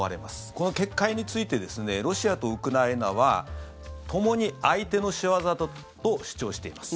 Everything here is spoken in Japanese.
この決壊についてロシアとウクライナはともに相手の仕業だと主張しています。